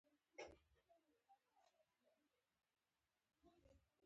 د موټر بیه له کیفیت سره اړه لري.